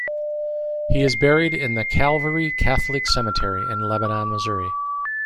He is buried in the Calvary Catholic Cemetery in Lebanon, Missouri.